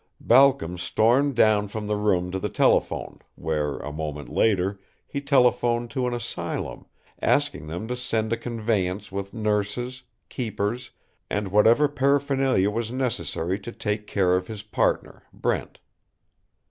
Balcom stormed down from the room to the telephone, where, a moment later, he telephoned to an asylum, asking them to send a conveyance with nurses, keepers, and whatever paraphernalia was necessary to take care of his partner, Brent.